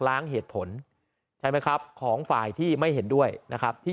ล้างเหตุผลใช่ไหมครับของฝ่ายที่ไม่เห็นด้วยนะครับที่